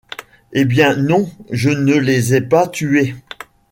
Et bien non : je ne les ai pas tués.